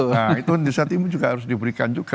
nah itu di saat ini juga harus diberikan juga